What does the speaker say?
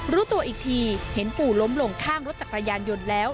รู้ตัวอีกทีเห็นปู่ล้มลงข้างรถจักรยานยนต์แล้ว